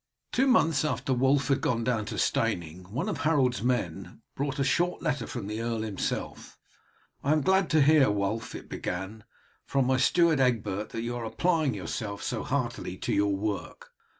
Two months after Wulf had gone down to Steyning one of Harold's men brought a short letter from the earl himself. "I am glad to hear, Wulf," it began, "from my steward, Egbert, that you are applying yourself so heartily to your work.